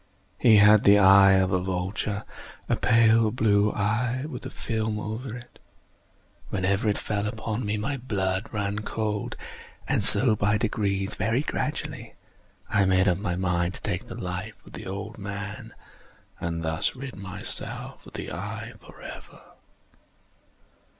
He had the eye of a vulture—a pale blue eye, with a film over it. Whenever it fell upon me, my blood ran cold; and so by degrees—very gradually—I made up my mind to take the life of the old man, and thus rid myself of the eye forever.